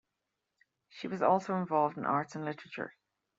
She was also involved in arts and literature.